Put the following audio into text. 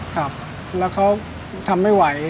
ครับแล้วเขาทำไม่ไหว